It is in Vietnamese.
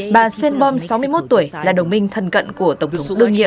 bà sainzburg sáu mươi một tuổi là đồng minh thân cận của tổng thống đương nhiệm